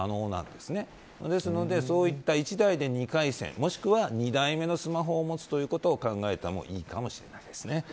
ですのでそういった１台で２回線もしくは２台目のスマホを持つということを考えてもいいかもしれません。